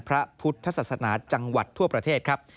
พระพุทธศาสนาจังหวัดทั่วประเทศครับ